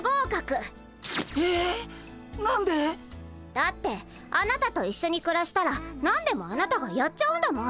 だってあなたと一緒にくらしたら何でもあなたがやっちゃうんだもん。